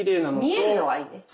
見えるのがいいね。